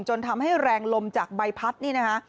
จนทำให้แรงลมจากใบพัดนี่นะคะ